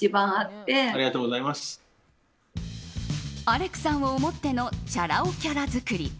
アレクさんを思ってのチャラ男キャラ作り。